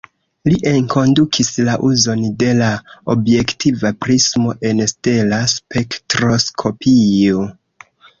Li enkondukis la uzon de la objektiva prismo en stela spektroskopio.